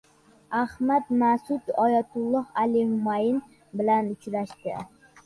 Ahmad Mas’ud Oyatulloh Ali Humayniy bilan uchrashdi